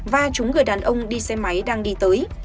và chúng người đàn ông đi xe máy đang đi tới